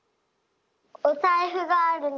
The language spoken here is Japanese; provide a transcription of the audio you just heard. おさいふがあるの。